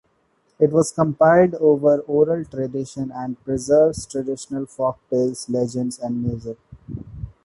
It was compiled from oral tradition and preserves traditional folk tales, legends and music.